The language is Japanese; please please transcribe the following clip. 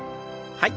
はい。